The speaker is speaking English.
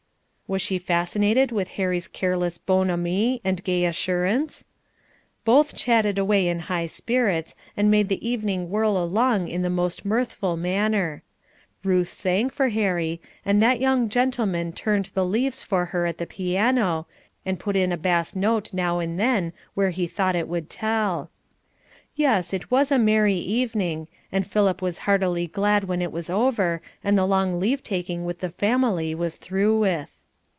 Was she fascinated with Harry's careless 'bon homie' and gay assurance? Both chatted away in high spirits, and made the evening whirl along in the most mirthful manner. Ruth sang for Harry, and that young gentleman turned the leaves for her at the piano, and put in a bass note now and then where he thought it would tell. Yes, it was a merry evening, and Philip was heartily glad when it was over, and the long leave taking with the family was through with.